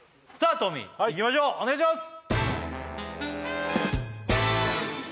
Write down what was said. トミーいきましょうお願いします